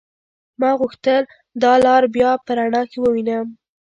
ما غوښتل دا لار بيا په رڼا کې ووينم.